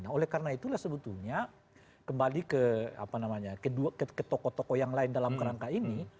nah oleh karena itulah sebetulnya kembali ke tokoh tokoh yang lain dalam kerangka ini